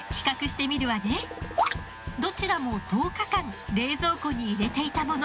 どちらも１０日間冷蔵庫に入れていたもの。